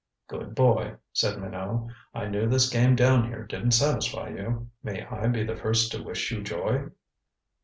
"Good boy," said Minot. "I knew this game down here didn't satisfy you. May I be the first to wish you joy?"